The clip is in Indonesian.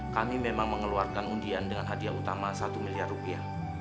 kami memang mengeluarkan undian dengan hadiah utama satu miliar rupiah